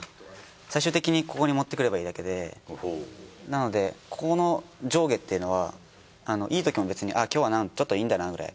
最終的にここに持ってくればいいだけでなのでこの上下っていうのはいいときも別に今日はちょっといいんだなくらい。